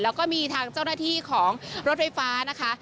แล้วก็มีทางเจ้าหน้าที่ของรถไฟฟ้านะคะ